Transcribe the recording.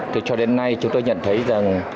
thì cho đến nay chúng tôi nhận thấy rằng